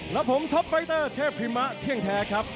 และผมท็อปไฟเตอร์เทพพิมะเที่ยงแท้ครับ